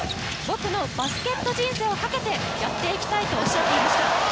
僕のバスケット人生をかけてやっていきたいとおっしゃっていました。